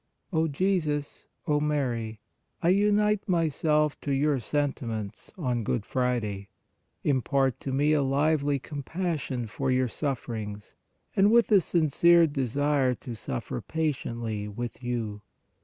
O Jesus, O Mary, I unite myself to your senti ments on Good Friday. Impart to me a lively com passion for your sufferings, and with the sincere desire to suffer patiently with you.